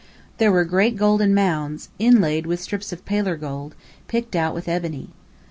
There were great golden mounds inlaid with strips of paler gold picked out with ebony.